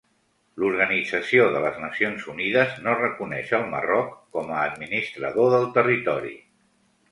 L'Organització de les Nacions Unides no reconeix el Marroc com a administrador del territori.